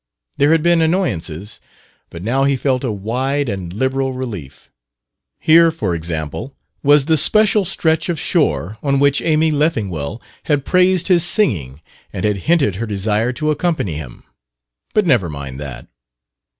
There had been annoyances, but now he felt a wide and liberal relief. Here, for example, was the special stretch of shore on which Amy Leffingwell had praised his singing and had hinted her desire to accompany him, but never mind that.